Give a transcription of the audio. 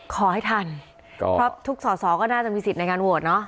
ขอให้ทันเพราะทุกสอสอก็น่าจะมีสิทธิ์ในการโหวตเนอะ